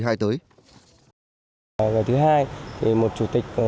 ngày thứ hai một chủ tịch